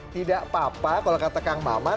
tidak papa kalau kata kang maman